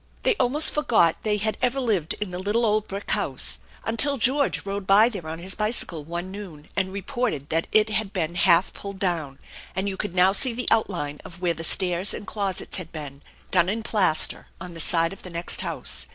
They almost forgot they had ever lived in the little old brick house, until George rode by there on his bicycle one noon and reported that it had been half pulled down, and you could now see the outline of where the stairs and closets had been, done in plaster, on the side of the next house.